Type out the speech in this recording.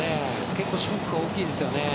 結構、ショックは大きいですね。